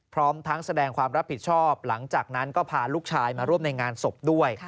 พร้อมทั้งแสดงความรับผิดชอบหลังจากนั้นก็พาลูกชายมาร่วมในงานศพด้วย